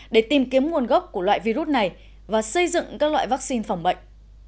để tìm kiếm nguồn gốc của loại virus này và xây dựng các loại vaccine phòng bệnh